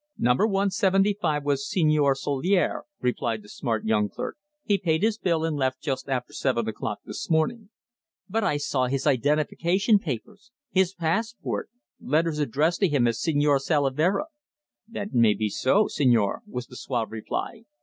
"Number 175 was Señor Solier," replied the smart young clerk. "He paid his bill and left just after seven o'clock this morning." "But I saw his identification papers his passport letters addressed to him as Señor Salavera!" "That may be so, señor," was the suave reply.